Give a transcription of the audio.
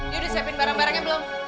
dia sudah siapkan barang barangnya belum